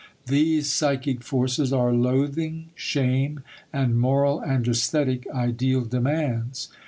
These psychic forces are loathing, shame, and moral and esthetic ideal demands.